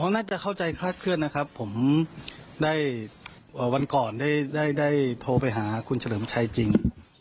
น่าจะเข้าใจคลาดเคลื่อนนะครับผมได้วันก่อนได้โทรไปหาคุณเฉลิมชัยจริง